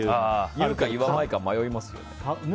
言うか言わないか迷いますよね。